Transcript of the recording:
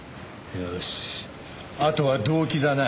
よしあとは動機だな。